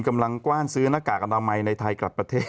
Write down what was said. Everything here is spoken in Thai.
กว้านซื้อหน้ากากอนามัยในไทยกลับประเทศ